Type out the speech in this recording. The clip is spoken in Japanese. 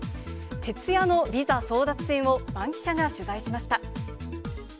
徹夜のビザ争奪戦をバンキシャが取材しました。